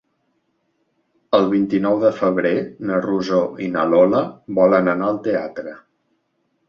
El vint-i-nou de febrer na Rosó i na Lola volen anar al teatre.